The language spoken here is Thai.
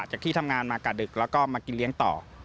ที่ทำงานมากะดึกแล้วก็มากินเลี้ยงต่อ